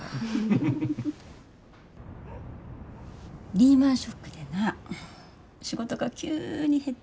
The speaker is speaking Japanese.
リーマンショックでな仕事が急に減って。